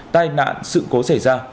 tai nạn sự cố xảy ra